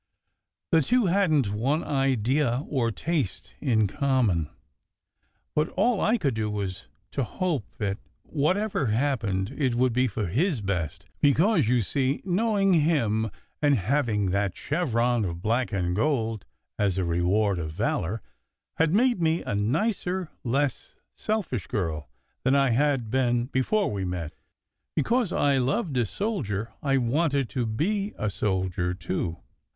The two hadn t one idea or taste in common. But all I could do was to hope that, whatever happened, it would be for his best; because, you see, knowing him, and having that chevron of black and gold as a "reward of valour," had made me a nicer, less selfish girl than I had been before we met. Because I loved a soldier, I wanted to be a soldier, too